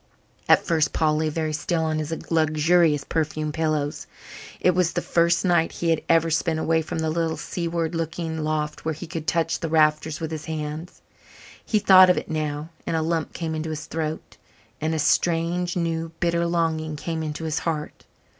At first Paul lay very still on his luxurious perfumed pillows. It was the first night he had ever spent away from the little seaward looking loft where he could touch the rafters with his hands. He thought of it now and a lump came into his throat and a strange, new, bitter longing came into his heart.